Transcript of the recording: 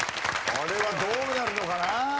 これはどうなるのかな？